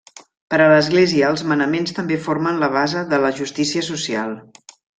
Per a l'Església els manaments també formen la base de la justícia social.